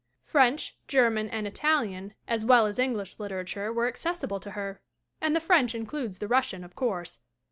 French, German and Italian as well as English literature were accessible to her and the French includes the Russian, of course.